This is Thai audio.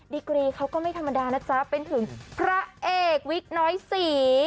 ดีกรีเขาก็ไม่ธรรมดานะจ๊ะเป็นถึงพระเอกวิกน้อยศรี